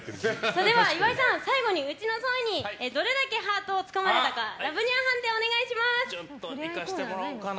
それでは岩井さん、最後にうちのソイにどれだけハートをつかまれたかラブニャン判定をお願いします！